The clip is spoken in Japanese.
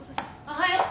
おはよう。